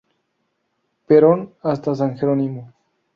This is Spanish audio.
Perón hasta San Jerónimo.